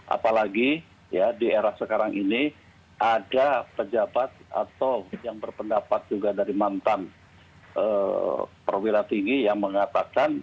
apalagi di era sekarang ini ada pejabat atau yang berpendapat juga dari mantan perwira tinggi yang mengatakan